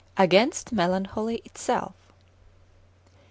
Against Melancholy itself.